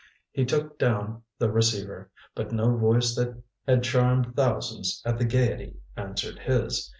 He took down the receiver. But no voice that had charmed thousands at the Gaiety answered his.